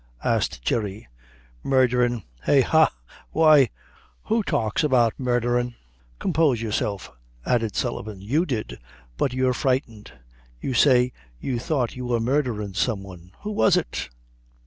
asked Jerry. "Murdherin'! eh ha why, who talks about murdherin'?" "Compose yourself," added Sullivan; "you did; but you're frightened. You say you thought you were murdherin' some one; who was it?"